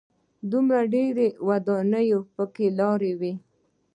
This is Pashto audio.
دومره ډېرې ودانۍ په کې ولاړې دي.